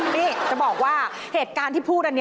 นี่จะบอกว่าเหตุการณ์ที่พูดอันนี้